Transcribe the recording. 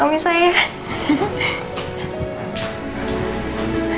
ada mertua saya sama suami saya